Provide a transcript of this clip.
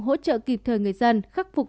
hỗ trợ kịp thời người dân khắc phục